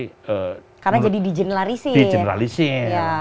karena jadi di generalisir